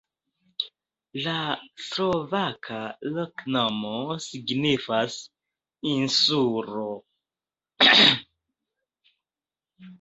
La slovaka loknomo signifas: insulo.